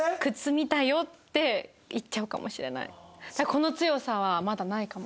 この強さはまだないかも。